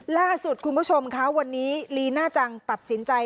ล่าสุดคุณผู้ชมค่ะวันนี้ลีน่าจังตัดสินใจ